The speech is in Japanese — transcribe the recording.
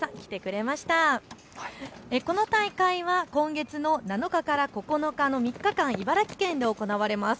この大会は今月の７日から９日の３日間、茨城県で行われます。